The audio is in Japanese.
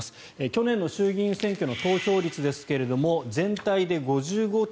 去年の衆議院選挙の投票率ですが全体で５５．９％。